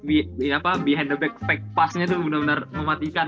ini apa behind the back fake pass nya tuh bener bener mematikan